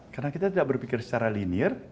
karena kita tidak berpikir secara linear